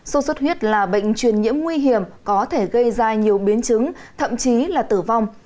sốt xuất huyết là bệnh truyền nhiễm nguy hiểm có thể gây ra nhiều biến chứng thậm chí là tử vong